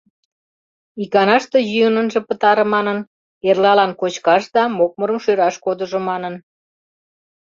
Иканаште йӱын ынже пытаре манын, эрлалан кочкаш да мокмырым шӧраш кодыжо манын.